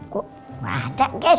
kok nggak ada guys